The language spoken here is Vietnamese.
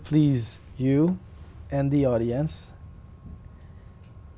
cô ấy luôn luôn ở